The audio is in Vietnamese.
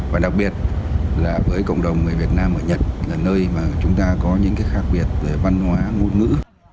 và đặc biệt là với cộng đồng người việt nam ở nhật là nơi mà chúng ta có những cái khác biệt về văn hóa ngôn ngữ